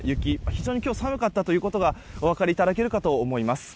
非常に今日寒かったということがお分かりいただけるかと思います。